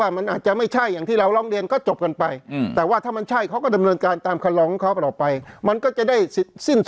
ว่ามันอาจจะไม่ใช่อย่างที่เรารองเรียนก็จบกันไปอืมแต่ว่าถ้ามันใช่